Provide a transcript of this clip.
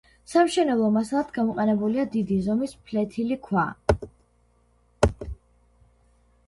სამშენებლო მასალად გამოყენებულია დიდი ზომის ფლეთილი ქვა.